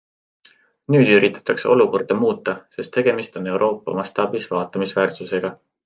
Nüüd üritatakse olukorda muuta, sest tegemist on Euroopa mastaabis vaatamisväärsusega.